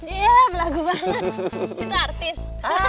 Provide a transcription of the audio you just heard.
iya lagu banget itu artis